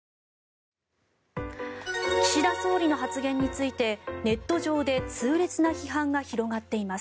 岸田総理の発言についてネット上で痛烈な批判が広がっています。